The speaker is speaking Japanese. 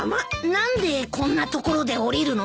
何でこんな所で降りるの？